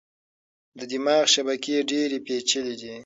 د دماغ شبکې ډېرې پېچلې دي.